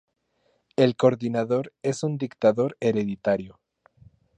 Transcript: El coordinador, es un dictador hereditario.